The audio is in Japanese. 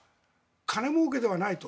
金もうけではないと。